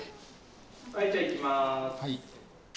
はいじゃあいきます。